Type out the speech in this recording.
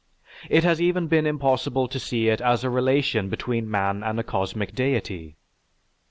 It has even been impossible to see it as a relation between man and a cosmic deity.